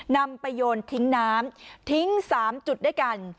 นำไปโยนทิ้งน้ำทิ้ง๓จุดด้วยกัน